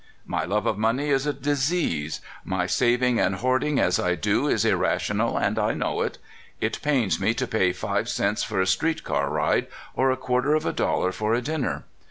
'*My love of money is a disease. My saving and hoarding as I do is irrational, and I know it. It pains me to pay iwG cents for a street car ride, or a quarter of a dollar for a dinner.